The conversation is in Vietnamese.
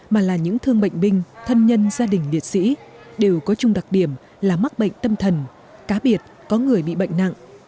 mà là những thương bệnh binh thân nhân gia đình liệt sĩ đều có chung đặc điểm là mắc bệnh tâm thần cá biệt có người bị bệnh nặng